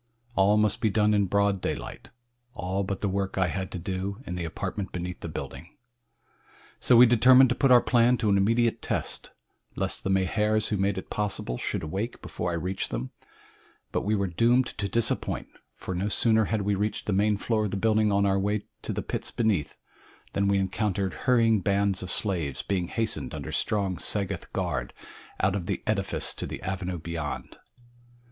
All must be done in broad daylight all but the work I had to do in the apartment beneath the building. So we determined to put our plan to an immediate test lest the Mahars who made it possible should awake before I reached them; but we were doomed to disappointment, for no sooner had we reached the main floor of the building on our way to the pits beneath, than we encountered hurrying bands of slaves being hastened under strong Sagoth guard out of the edifice to the avenue beyond.